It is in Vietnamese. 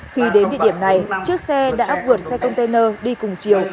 khi đến địa điểm này chiếc xe đã vượt xe container đi cùng chiều